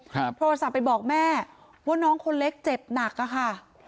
โทรศัพท์ไปบอกแม่ว่าน้องคนเล็กเจ็บหนักอะค่ะ